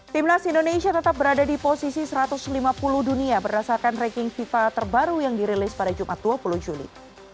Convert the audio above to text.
timnas indonesia tetap berada di posisi satu ratus lima puluh dunia berdasarkan ranking fifa terbaru yang dirilis pada jumat dua puluh juli